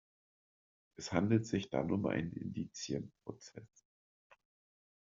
Es handelt sich dann um einen Indizienprozess.